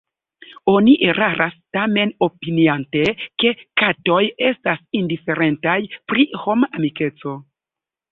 Oni eraras tamen opiniante, ke katoj estas indiferentaj pri homa amikeco.